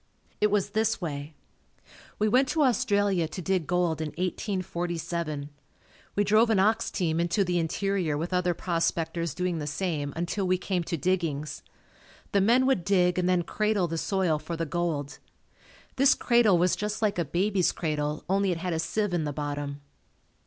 It was this way. We went to Australia to dig gold in 1847. We drove an ox team into the interior with other prospectors doing the same until we came to diggings. The men would dig and then "cradle" the soil for the gold. This cradle was just like a baby's cradle only it had a sieve in the bottom.